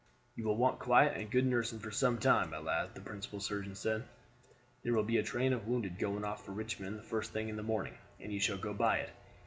"You will want quiet and good nursing for some time, my lad," the principal surgeon said. "There will be a train of wounded going off for Richmond the first thing in the morning, and you shall go by it.